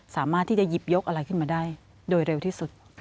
สามารถที่จะหยิบยกอะไรขึ้นมาได้โดยเร็วที่สุด